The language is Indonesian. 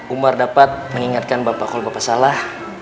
umar dapat mengingatkan bapak kalau bapak salah